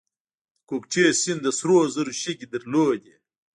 د کوکچې سیند د سرو زرو شګې درلودې